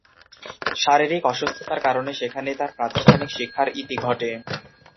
শারীরিক অসুস্থতার কারণে সেখানেই তার প্রাতিষ্ঠানিক শিক্ষার ইতি ঘটে।